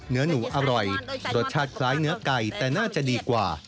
เนื้อหนูอร่อยรสชาติคล้ายเนื้อไก่แต่น่าจะดีกว่า